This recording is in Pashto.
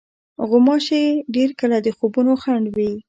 غوماشې ډېر کله د خوبونو خنډ وي.